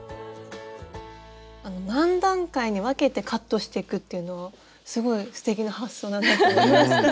何段階に分けてカットしていくっていうのをすごいすてきな発想だなと思いました。